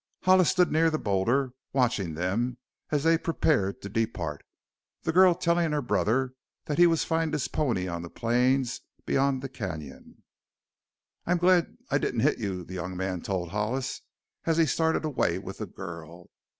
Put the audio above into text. Hollis stood near the boulder, watching them as they prepared to depart, the girl telling her brother that he would find his pony on the plains beyond the canyon. "I am glad I didn't hit you," the young man told Hollis as he started away with the girl.